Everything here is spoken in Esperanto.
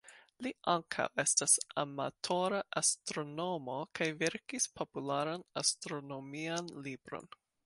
Li ankaŭ estas amatora astronomo kaj verkis popularan astronomian libron.